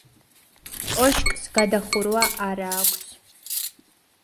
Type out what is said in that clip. კოშკს გადახურვა არა აქვს.